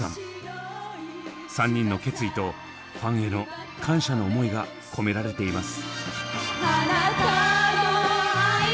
３人の決意とファンへの感謝の思いが込められています。